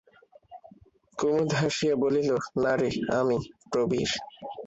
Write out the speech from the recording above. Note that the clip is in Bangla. কুমুদ হাসিয়া বলিল, না রে, আমি, প্রবীর।